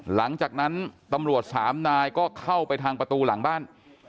หลังจากนั้นตำรวจสามนายก็เข้าไปทางประตูหลังบ้าน